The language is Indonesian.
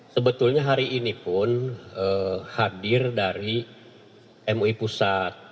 sebetulnya hari ini pun hadir dari mui pusat